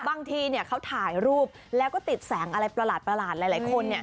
บางทีเขาถ่ายรูปแล้วก็ติดแสงอะไรประหลาดหลายคน